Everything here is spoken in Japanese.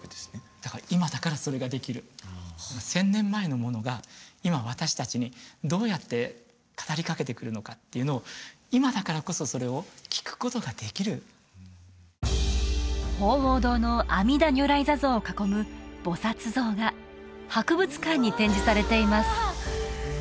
だから今だからそれができるあ１０００年前のものが今私達にどうやって語りかけてくるのかっていうのを今だからこそそれを聞くことができる鳳凰堂の阿弥陀如来坐像を囲む菩薩像が博物館に展示されていますうわ